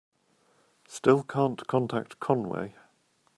Still can't contact Conway.